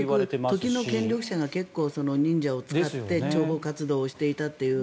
時の権力者が結構忍者を使って諜報活動をしていたという。